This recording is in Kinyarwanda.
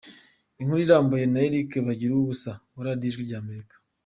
Inkuru irambuye na Eric Bagiruwubusa wa Radio Ijwi ry’Amerika